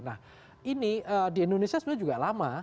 nah ini di indonesia sebenarnya juga lama